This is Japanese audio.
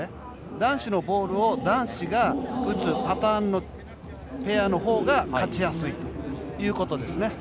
男子のボールを男子が打つパターンのペアのほうが勝ちやすいということですね。